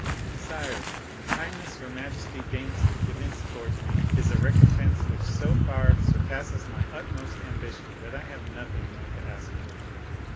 "Sire, the kindness your majesty deigns to evince towards me is a recompense which so far surpasses my utmost ambition that I have nothing more to ask for."